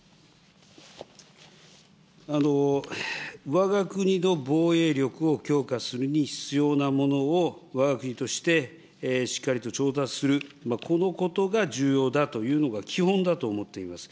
わが国の防衛力を強化するに必要なものをわが国としてしっかりと調達する、このことが重要だというのが基本だと思っています。